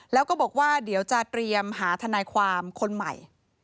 แล้วก็บอกว่าเดี๋ยวจะเตรียมหาทนายความคนใหม่